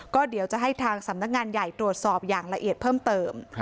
ก็เดี๋ยวจะให้ทางสำนักงานใหญ่ตรวจสอบอย่างละเอียดเพิ่มเติม